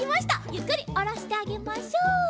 ゆっくりおろしてあげましょう。